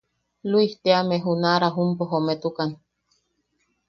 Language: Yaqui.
Luis teame, junaʼa Rajumpo jometukan.